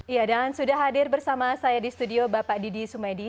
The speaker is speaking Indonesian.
ya dan sudah hadir bersama saya di studio bapak didi sumedi